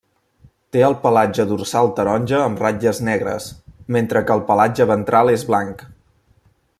Té el pelatge dorsal taronja amb ratlles negres, mentre que el pelatge ventral és blanc.